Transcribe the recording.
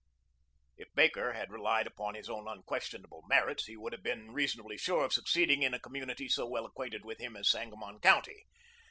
If Baker had relied upon his own unquestionable merits he would have been reasonably sure of succeeding in a community so well acquainted with him as Sangamon County.